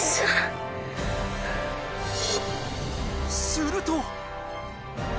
すると。